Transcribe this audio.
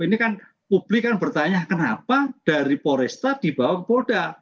ini kan publik kan bertanya kenapa dari poresta dibawa ke polda